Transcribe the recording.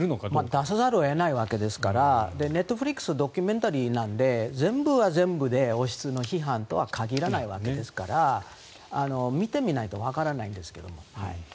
出さざるを得ないわけですからネットフリックスはドキュメンタリーなので全部が全部、王室の批判とは限らないわけですから見てみないとわからないんですが。